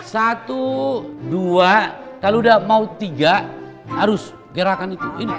satu dua kalau udah mau tiga harus gerakan itu